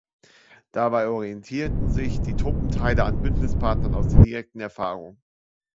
Dabei orientierten sich die Truppenteile an Bündnispartnern aus der direkten Erfahrung.